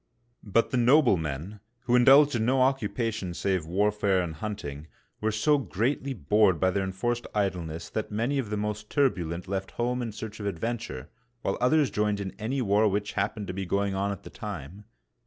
But the noblemen, who indulged in no occupation save warfare and hunting, were so greatly bored by their en f6rced idleness that many of the most turbulent left home in search of adventure, while others joined in any war which happened to be going on at the time.